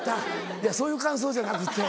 いやそういう感想じゃなくて。